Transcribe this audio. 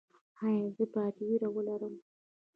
ایا زه باید ویره ولرم؟